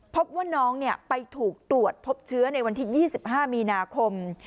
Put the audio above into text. พบว่าน้องไปถูกตรวจพบเชื้อในวันที่๒๕มีนาคม